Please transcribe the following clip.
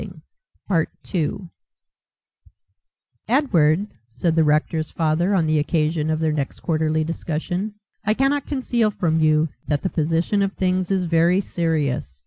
"Edward," said the rector's father on the occasion of their next quarterly discussion, "I cannot conceal from you that the position of things is very serious.